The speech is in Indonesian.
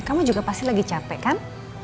kamu juga pasti lagi capek kan